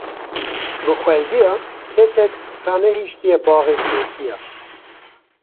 Bi xweziya kesek ranehîştiye baxê keziya